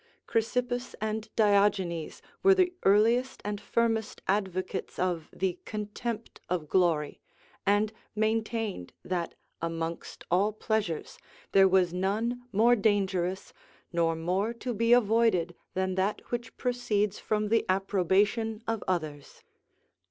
Chrysippus and Diogenes were the earliest and firmest advocates of the contempt of glory; and maintained that, amongst all pleasures, there was none more dangerous nor more to be avoided than that which proceeds from the approbation of others.